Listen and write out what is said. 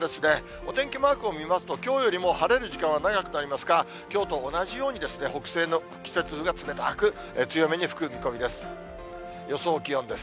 お天気マークを見ますと、きょうよりも晴れる時間は長くなりますが、きょうと同じように、北西の季節風が冷たく、強めに吹く見込みです。